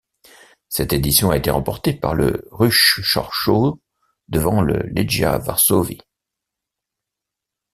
Cette édition a été remportée par le Ruch Chorzów, devant le Legia Varsovie.